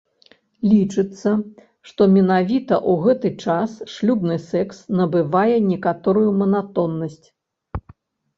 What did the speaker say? Лічыцца, што менавіта ў гэты час шлюбны секс набывае некаторую манатоннасць.